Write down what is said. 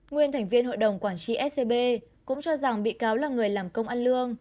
nguyên thành viên hội đồng quản trị scb cũng cho rằng bị cáo là người làm công ăn lương